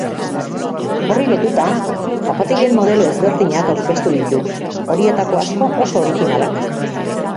Horri lotuta, zapatilen modelo ezberdinak aurkeztu ditu, horietako asko oso originalak.